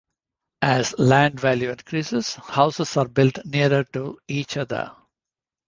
As land value increases, houses are built nearer to each other.